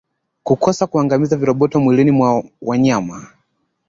Kukosa kuangamiza viroboto mwilini mwa wanyama